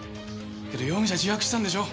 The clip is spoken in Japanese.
けど容疑者自白したんでしょ？